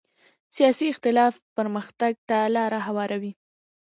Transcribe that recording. سیاسي اختلاف پرمختګ ته لاره هواروي